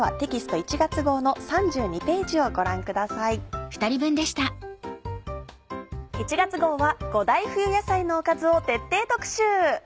１月号は５大冬野菜のおかずを徹底特集。